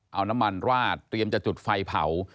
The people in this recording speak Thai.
เอาน้ำมันราดเตรียมจะจุดไฟเผา